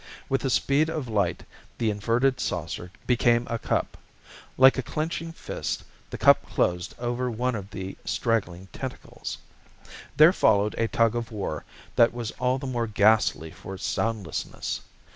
With the speed of light the inverted saucer became a cup. Like a clenching fist, the cup closed over one of the straggling tentacles. There followed a tug of war that was all the more ghastly for its soundlessness.